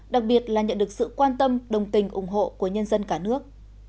đặc biệt là nhận được sự quan tâm đồng tình ủng hộ của nhân dân cả nước